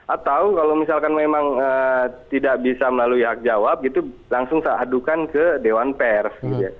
atau kalau misalkan memang tidak bisa melalui hak jawab gitu langsung seadukan ke dewan pers gitu ya